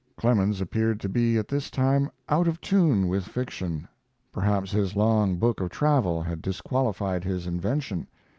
Clemens appeared to be at this time out of tune with fiction. Perhaps his long book of travel had disqualified his invention.